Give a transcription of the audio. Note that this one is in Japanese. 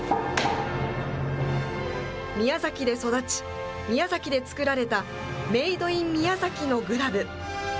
宮崎で育ち、宮崎で作られたメード・イン・ミヤザキのグラブ。